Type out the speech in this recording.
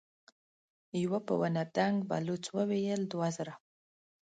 يوه په ونه دنګ بلوڅ وويل: دوه زره.